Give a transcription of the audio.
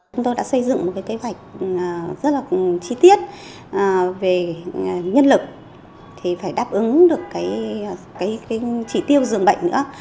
chúng tôi đã xây dựng một kế hoạch rất là chi tiết về nhân lực phải đáp ứng được trị tiêu dường bệnh nữa